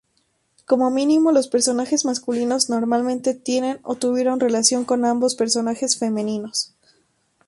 Como mínimo, los personajes masculinos normalmente tienen o tuvieron relación con ambos personajes femeninos.